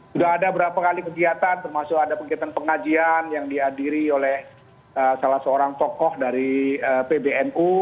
sudah ada berapa kali kegiatan termasuk ada kegiatan pengajian yang dihadiri oleh salah seorang tokoh dari pbnu